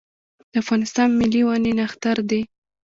د افغانستان ملي ونې نښتر دی